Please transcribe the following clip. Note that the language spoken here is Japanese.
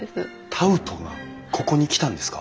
タウトがここに来たんですか？